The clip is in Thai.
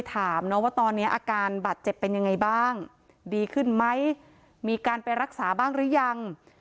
ถามว่าตอนนี้อาการบาดเจ็บเป็นยังไงบ้างดีขึ้นไหมมีการไปรักษาบ้างหรือยัง